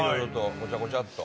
ごちゃごちゃっと。